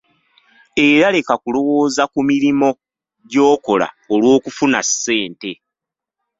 Era leka kulowooza ku mirimo gy'okola olw'okufuna ssente.